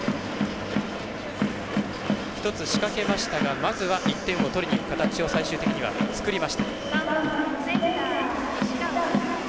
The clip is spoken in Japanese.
１つ仕掛けましたがまずは１点を取りにいく形を最終的には作りました。